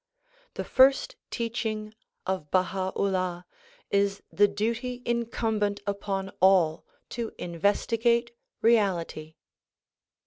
The first teaching of Baha 'Ullah is the duty incumbent upon all to investigate reality.